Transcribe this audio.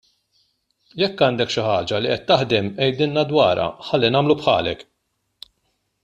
Jekk għandek xi ħaġa li qed taħdem għidilna dwarha ħalli nagħmlu bħalek.